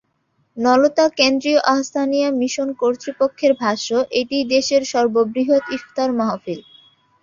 নলতা কেন্দ্রীয় আহ্ছানিয়া মিশন কর্তৃপক্ষের ভাষ্য, এটিই দেশের সর্ববৃহৎ ইফতার মাহফিল।